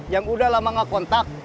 yang udah lama gak kontak